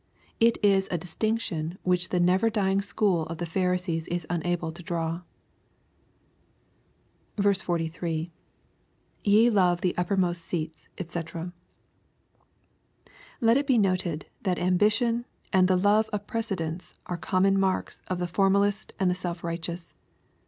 It is a dis tinction which the never dying school of the Pharisees is unable to draw. 13. —[ Ye love the uppermost seats, &c.] Let it be noted, that ambi tion and the love of precedence are common marks of the formal ist and the self righteous.